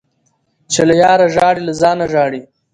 - چي له یاره ژاړي له ځانه ژاړي.